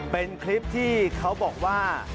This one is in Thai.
เป็นคลิปที่เขาบอกว่า